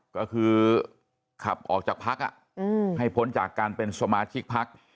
ก็คือขับออกจากพักให้พ้นจากการเป็นสมาชิกพัก